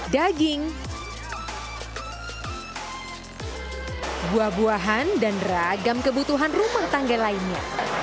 daging buah buahan dan ragam kebutuhan rumah tangga lainnya